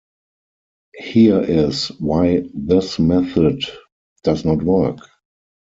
Here is why this method does not work.